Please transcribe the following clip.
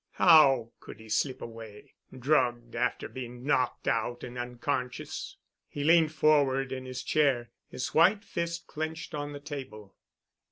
"How could he slip away—drugged—after being knocked out and unconscious?" He leaned forward in his chair, his white fist clenched on the table.